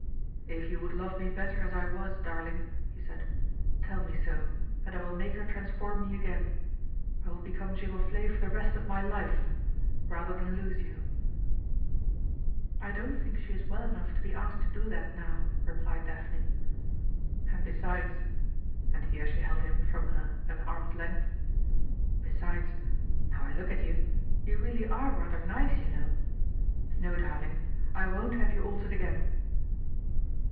"If you would love me better as I was, darling," he said, "tell me so, and I will make her transform me again. I will become Giroflé for the rest of my life rather than lose you!" "I don't think she is well enough to be asked to do that now," replied Daphne. "And, besides" and here she held him from her at arm's length "besides, now I look at you, you really are rather nice, you know! No, darling, I won't have you altered again."